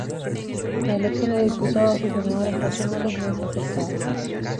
La elección de diputados y senadores nacionales no es afectada.